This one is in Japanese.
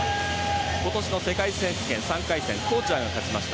今年の世界選手権３回戦はコーチャーが勝ちました。